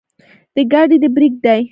د ګاډي د برېک دے